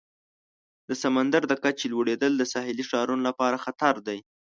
د سمندر د کچې لوړیدل د ساحلي ښارونو لپاره خطر دی.